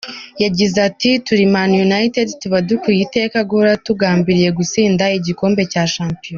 Yagize ati: "Turi Man United, tuba dukwiye iteka guhora tugambiriye gutsindira igikombe cya shampiyona".